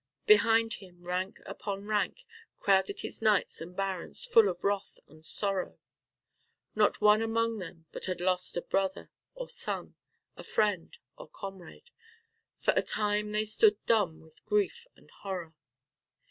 Behind him, rank upon rank, crowded his knights and barons full of wrath and sorrow. Not one among them but had lost a son or brother, a friend or comrade. For a time they stood dumb with grief and horror.